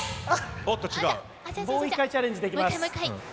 もう１回チャレンジできます。